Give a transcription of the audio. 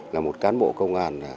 là một cán bộ công an